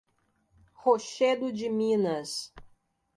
Rochedo de Minas